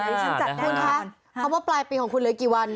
คุณคะเขาบอกปลายปีของคุณเลยอีกกี่วัน